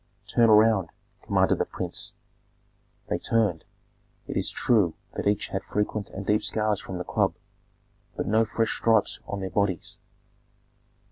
"Turn around!" commanded the prince. They turned. It is true that each had frequent and deep scars from the club, but no fresh stripes on their bodies.